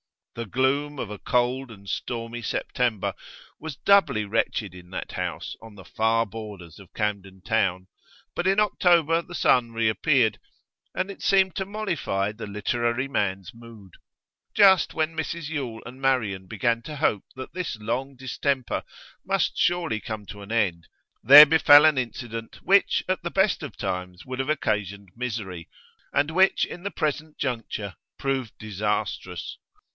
The gloom of a cold and stormy September was doubly wretched in that house on the far borders of Camden Town, but in October the sun reappeared and it seemed to mollify the literary man's mood. Just when Mrs Yule and Marian began to hope that this long distemper must surely come to an end, there befell an incident which, at the best of times, would have occasioned misery, and which in the present juncture proved disastrous.